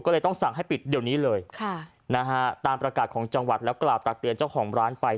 ก็เลยต้องสั่งให้ปิดเดี๋ยวนี้เลยตามประกาศของจังหวัดแล้วกล่าวตักเตือนเจ้าของร้านไป